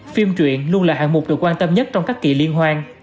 phim truyện luôn là hạng mục được quan tâm nhất trong các kỳ liên hoan